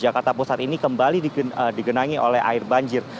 jakarta pusat ini kembali digenangi oleh air banjir